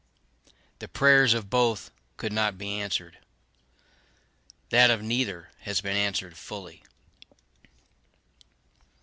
The prayers of both could not be answered that of neither has been answered fully.